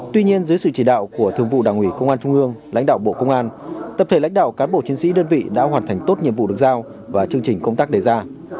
tuy nhiên dưới sự chỉ đạo của thường vụ đảng ủy công an trung ương lãnh đạo bộ công an tập thể lãnh đạo cán bộ chiến sĩ đơn vị đã hoàn thành tốt nhiệm vụ được giao và chương trình công tác đề ra